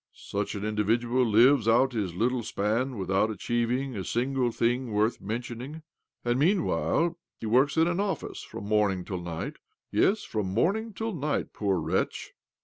Such ал individual lives out his little span without a chieving a single thing worth mentioning ; and meanwhile he works in an office from morning till night — yes, from morning till night, poor wretch